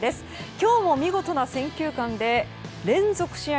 今日も見事な選球眼で連続試合